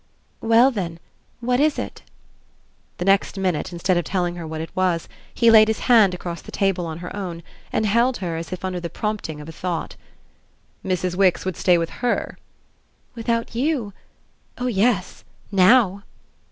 "Well then what is it?" The next minute, instead of telling her what it was, he laid his hand across the table on her own and held her as if under the prompting of a thought. "Mrs. Wix would stay with HER?" "Without you? Oh yes now."